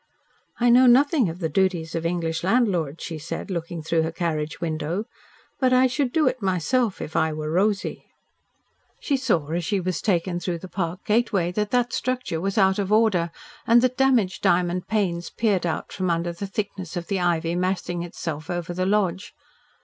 "I know nothing of the duties of English landlords," she said, looking through her carriage window, "but I should do it myself, if I were Rosy." She saw, as she was taken through the park gateway, that that structure was out of order, and that damaged diamond panes peered out from under the thickness of the ivy massing itself over the lodge.